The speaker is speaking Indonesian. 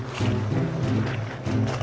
kamu tenang aja